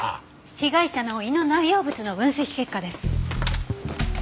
被害者の胃の内容物の分析結果です。